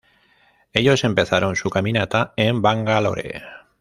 Ellos empezaron su caminata en Bangalore.